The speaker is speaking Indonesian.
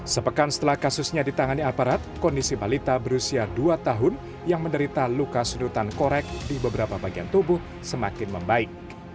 sepekan setelah kasusnya ditangani aparat kondisi balita berusia dua tahun yang menderita luka sudutan korek di beberapa bagian tubuh semakin membaik